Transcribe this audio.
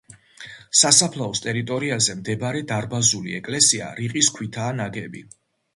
სასაფლაოს ტერიტორიაზე მდებარე დარბაზული ეკლესია რიყის ქვითაა ნაგები.